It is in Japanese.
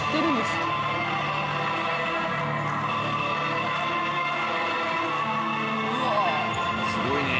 すごいね。